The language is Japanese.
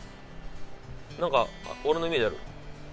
なんか俺のイメージある？